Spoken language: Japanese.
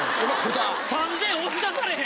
３０００円押し出されへん。